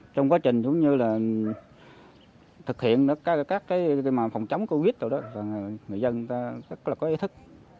trong quá trình thực hiện các phòng chống covid một mươi chín người dân rất có ý thức